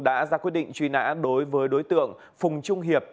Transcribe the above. đã ra quyết định truy nã đối với đối tượng phùng trung hiệp